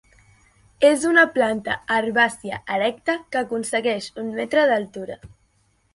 És una planta herbàcia erecta que aconsegueix un metre d'altura.